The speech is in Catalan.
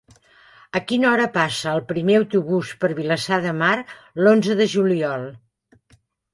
A quina hora passa el primer autobús per Vilassar de Mar l'onze de juliol?